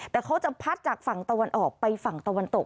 แต่เขาจะพัดจากฝั่งตะวันออกไปฝั่งตะวันตก